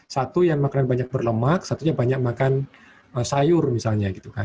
satu yang makanan banyak berlemak satunya banyak makan sayur misalnya gitu kan